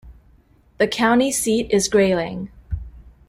The county seat is Grayling.